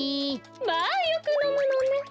まあよくのむのね。